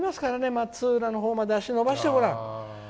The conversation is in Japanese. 松浦のほうまで足を伸ばしてごらん。